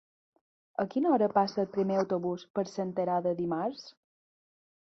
A quina hora passa el primer autobús per Senterada dimarts?